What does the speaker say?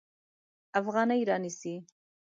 افغانۍ رانیسي.